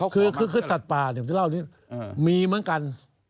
คือสัตว์ป่าเนี่ยมีเหมือนกัน